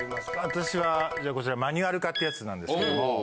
私はこちら「マニュアル化」っていうやつなんですけども。